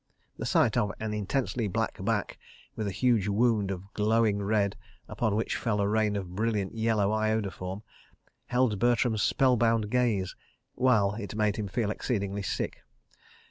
The sight of an intensely black back, with a huge wound of a glowing red, upon which fell a rain of brilliant yellow iodoform, held Bertram's spell bound gaze, while it made him feel exceedingly sick.